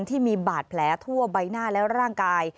ที่มีบาดแผลทั่วใบหน้าและร่างกาย